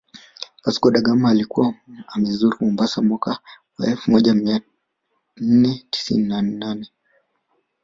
Vasco da Gama alikuwa amezuru Mombasa mwaka wa elfumoja mianne tisini na nane